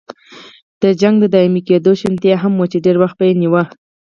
د جګړې د دایمي کېدو شونتیا هم وه چې ډېر وخت به یې نیوه.